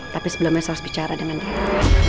tapi sebelumnya saya harus bicara dengan kita